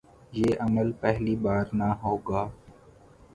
یہ عمل پہلی بار نہ ہو گا۔